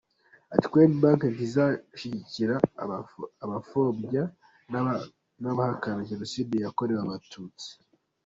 Ati “Crane Bank ntizashyigikira abapfobya n’abahakana Jenoside yakorewe Abatutsi.